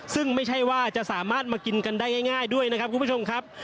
ซึ่งไม่ใช่ว่าจะสามารถมากินกันได้ง่ายด้วยนะครับคุณผู้ชมครับ